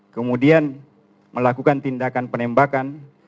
kemudian melakukan tindakan penembakan